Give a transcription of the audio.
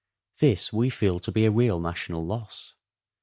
This we feel to be a real national loss.